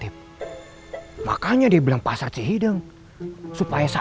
udah diam kamu